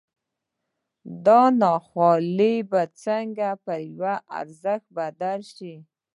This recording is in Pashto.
دا ناخواله به څنګه پر یوه ارزښت بدله شي